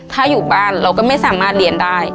ถ้าอยู่บ้านเราก็ไม่สามารถเรียนได้